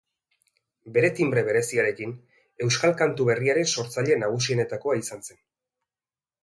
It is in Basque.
Bere tinbre bereziarekin, euskal kantu berriaren sortzaile nagusienetakoa izan zen.